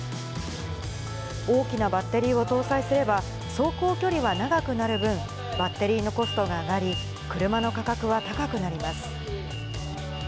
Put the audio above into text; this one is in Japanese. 大きなバッテリーを搭載すれば、走行距離は長くなる分、バッテリーのコストが上がり、車の価格は高くなります。